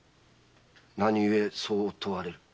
何ゆえそう問われる？